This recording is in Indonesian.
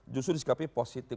justru disikapinya positif